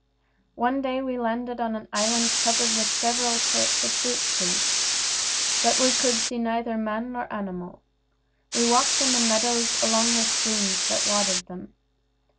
One day we landed on an island covered with several sorts of fruit trees, but we could see neither man nor animal We walked in the meadows, along the streams that watered them.